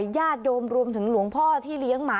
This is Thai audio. ญาติโยมรวมถึงหลวงพ่อที่เลี้ยงหมา